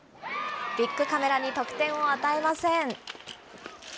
ビックカメラに得点を与えません。